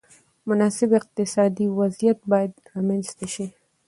مناسب اقتصادي وضعیت باید رامنځته شي.